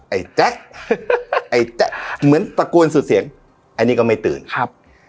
ไอ้แจ๊กไอ้แจ๊กเหมือนตะโกนสุดเสียงอันนี้ก็ไม่ตื่นครับ